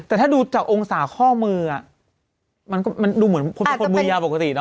แต่ถ้าดูจากองศาข้อมือมันดูเหมือนคนเป็นคนมือยาปกติเนอ